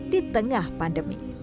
di tengah pandemi